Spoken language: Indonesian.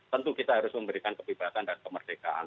tentu kita harus memberikan kebebasan dan kemerdekaan